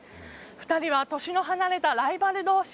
２人は年の離れたライバルどうし。